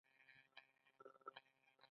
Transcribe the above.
آیا مشهد د امام رضا زیارت نه دی؟